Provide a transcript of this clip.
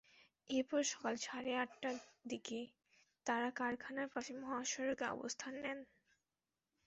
এরপর সকাল সাড়ে আটটার দিকে তাঁরা কারখানার পাশে মহাসড়কে অবস্থান নেন।